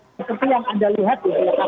apa kepolisian sempat berhasil dihilangkan